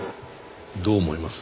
どう思います？